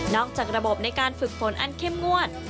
จากระบบในการฝึกฝนอันเข้มงวด